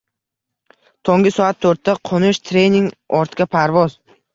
Tonggi soat toʻrtda qoʻnish, trening, ortga parvoz.